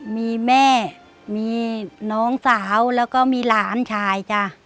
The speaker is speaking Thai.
มีแม่มีน้องสาวแล้วก็มีหลานชายจ้ะ